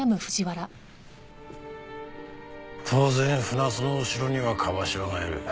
当然船津の後ろには椛島がいる。